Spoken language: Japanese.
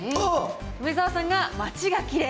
梅沢さんが町がきれい。